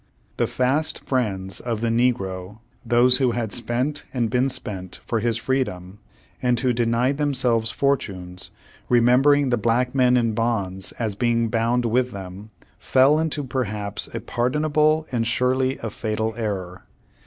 The fast friends of the negro; those who had spent and been spent for his freedom ; and v/ho denied themselves fortunes, remembering the black men in bonds as being bound with them, fell into perhaps a pardonable, and surely a fatal error.